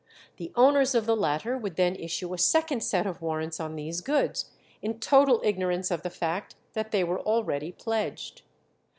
The owners of the latter would then issue a second set of warrants on these goods, in total ignorance of the fact that they were already pledged.